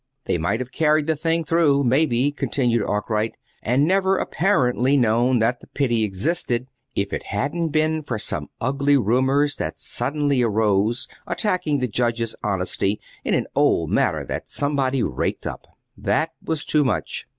"They might have carried the thing through, maybe," continued Arkwright, "and never apparently known that the 'pity' existed, if it hadn't been for some ugly rumors that suddenly arose attacking the Judge's honesty in an old matter that somebody raked up. That was too much.